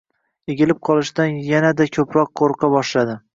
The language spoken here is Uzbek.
Egilib qolishdan yanada ko‘proq qo‘rqa boshladi.